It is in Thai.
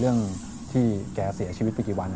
เรื่องที่แกเสียชีวิตไปกี่วัน